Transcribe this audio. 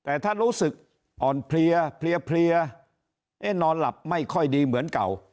แต่ถ้ารู้สึกอ่อนเพลียเพลียนอนหลับไม่ค่อยดีเหมือนเก่า